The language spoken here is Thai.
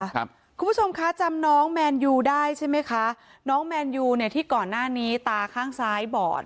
คุณผู้ชมคะจำน้องแมนยูได้ใช่ไหมคะน้องแมนยูเนี่ยที่ก่อนหน้านี้ตาข้างซ้ายบอด